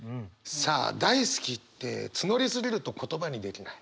さあ大好きって募りすぎると言葉にできない。